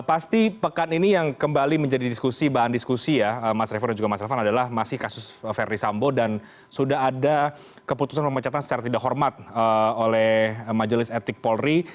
pasti pekan ini yang kembali menjadi diskusi bahan diskusi ya mas revo dan juga mas revan adalah masih kasus verdi sambo dan sudah ada keputusan pemecatan secara tidak hormat oleh majelis etik polri